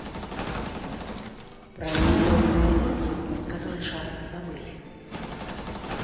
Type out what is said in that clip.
Пра нейтронныя зоркі на некаторы час забылі.